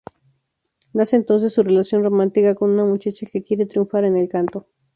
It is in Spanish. Nace entonces su relación romántica con una muchacha que quiere triunfar en el canto.